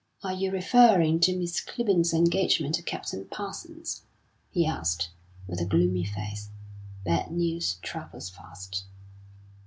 "Are you referring to Miss Clibborn's engagement to Captain Parsons?" he asked, with a gloomy face. "Bad news travels fast."